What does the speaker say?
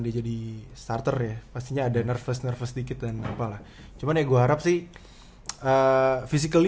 dia jadi starter ya pastinya ada nervous nervous dikit dan apalah cuman ya gue harap sih fisikally